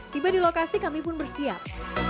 tiba di lokasi kami pun bersiap